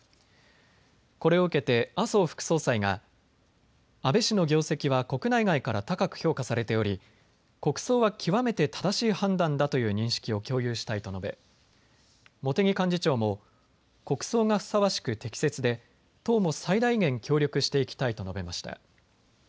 これを受けて麻生副総裁が安倍氏の業績は国内外から高く評価されており、国葬は極めて正しい判断だという認識を共有したいと述べ、茂木幹事長も、国葬がふさわしく適切で党も最大限協力していきたいと述べました。